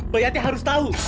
bayati harus tahu